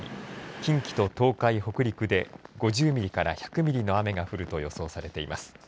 近畿と東海、北陸で５０ミリから１００ミリの雨が降ると予想されています。